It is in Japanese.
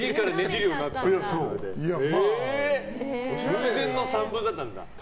偶然の産物だったんだ。